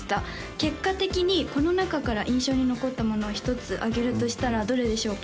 結果的にこの中から印象に残ったものを一つ挙げるとしたらどれでしょうか？